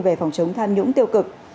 về phòng chống tham nhũng tiêu cực